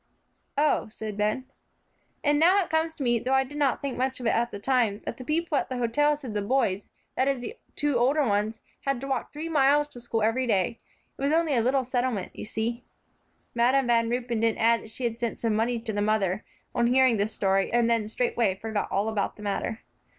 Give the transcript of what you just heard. "Oh," said Ben. "And now it comes to me, though I didn't think much of it at the time, that the people at the hotel said the boys, that is the two older ones, had to walk three miles to school every day. It was only a little settlement, you see." Madam Van Ruypen didn't add that she had sent some money to the mother, on hearing this story, and then straightway forgot all about the matter.